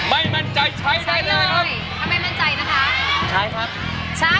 ไม่มั่นใจใช้เลยค่ะ